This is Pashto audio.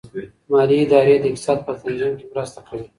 مالي ادارې د اقتصاد په تنظیم کي مرسته کوي.